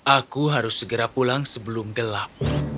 aku harus segera pulang sebelum gelap